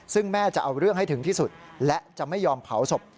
ซึ่งแม่จะเอาเรื่องให้ถึงที่สุดและจะไม่ยอมเผาศพ